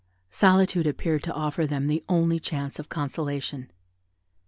Solitude appeared to offer them the only chance of consolation.